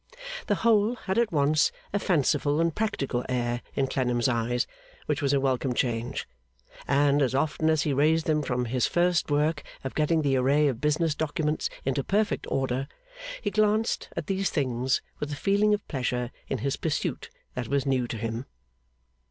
The whole had at once a fanciful and practical air in Clennam's eyes, which was a welcome change; and, as often as he raised them from his first work of getting the array of business documents into perfect order, he glanced at these things with a feeling of pleasure in his pursuit that was new to him.